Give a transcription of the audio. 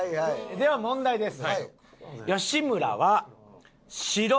では問題です。